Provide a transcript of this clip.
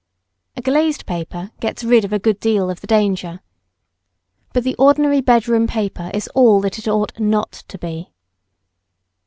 A glazed paper gets rid of a good deal of the danger. But the ordinary bed room paper is all that it ought not to be.